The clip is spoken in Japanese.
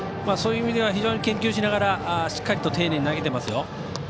そういう意味では非常に研究しながらしっかり丁寧に投げていますよ。